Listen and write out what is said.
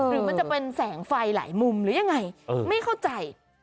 หรือมันจะเป็นแสงไฟหลายมุมหรือยังไงไม่เข้าใจ